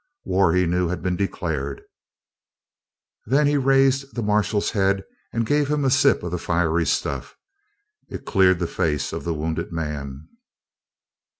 War, he knew, had been declared. Then he raised the marshal's head and gave him a sip of the fiery stuff. It cleared the face of the wounded man.